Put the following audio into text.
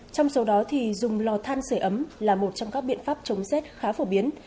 trong số đó thì dùng lò than sửa ấm là một trong các biện pháp chống rét khá phổ biến